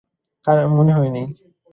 মনে হয় নেই।